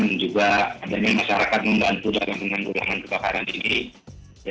dan juga adanya masyarakat membantu dalam mengurangkan kebakaran ini